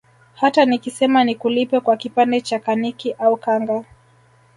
Hata nikisema nikulipe kwa kipande cha kaniki au kanga